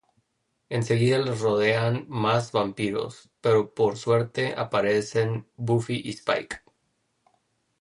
En seguida les rodean más vampiros, pero por suerte aparecen Buffy y Spike.